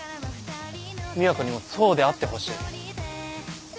美和子にもそうであってほしい。